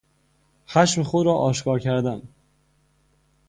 خشم خود را آشکار کردن